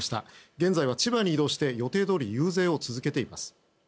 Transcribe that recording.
現在は千葉に移動して予定どおり遊説を続けています。